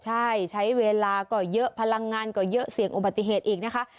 ใช่ใช้เวลาก็เยอะพลังงานก็เยอะเสี่ยงอุบัติเหตุอีกนะคะ